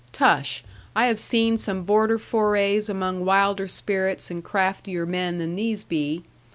Tush! I have seen some border forays among wilder spirits and craftier men than these be.